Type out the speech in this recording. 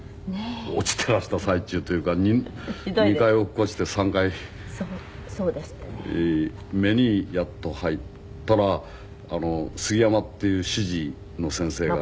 落ちてらした最中というか２回落っこちて３回目にやっと入ったら杉山っていう主事の先生が。